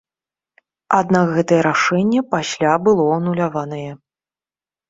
Аднак гэтае рашэнне пасля было ануляванае.